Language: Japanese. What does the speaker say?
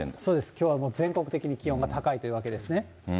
きょうはもう全国的に気温が高いというわけですね。